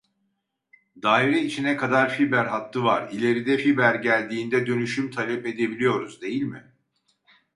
Daire içine kadar fiber hattı var ,ileride fiber geldiğinde dönüşüm talep edebiliyoruz değil mi?